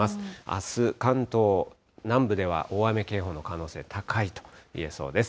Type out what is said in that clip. あす、関東南部では大雨警報の可能性高いといえそうです。